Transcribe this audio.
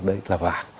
đấy là vả